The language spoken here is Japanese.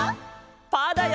パーだよ！